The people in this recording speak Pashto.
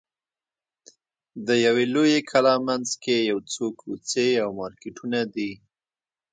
د یوې لویې کلا منځ کې یو څو کوڅې او مارکېټونه دي.